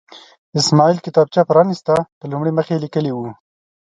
اسماعیل کتابچه پرانسته، په لومړي مخ یې لیکلي وو.